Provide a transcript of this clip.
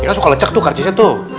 ya kan suka lecek tuh karcisnya tuh